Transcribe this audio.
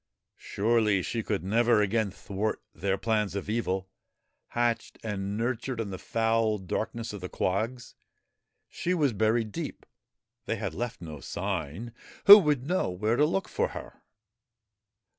Surely she could never again thwart their plans of evil, hatched and nurtured in the foul darkness of the quags. She was buried deep ; they had left no sign ; who would know where to look for her